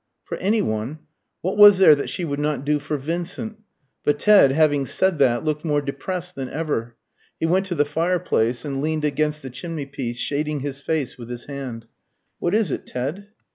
For any one? What was there that she would not do for Vincent? But Ted, having said that, looked more depressed than ever. He went to the fireplace, and leaned against the chimneypiece, shading his face with his hand. "What is it, Ted?"